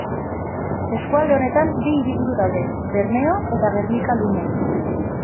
Eskualde honetan bi hiriburu daude: Bermeo eta Gernika-Lumo.